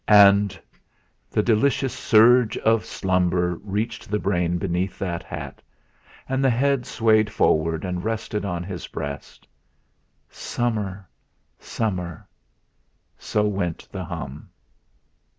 And the delicious surge of slumber reached the brain beneath that hat, and the head swayed forward and rested on his breast. Summer summer! So went the hum.